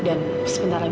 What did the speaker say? dan sebentar lagi